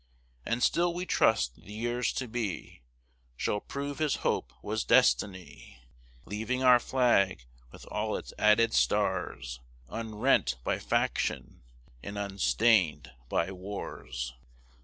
And still we trust the years to be Shall prove his hope was destiny, Leaving our flag, with all its added stars, Unrent by faction and unstained by wars.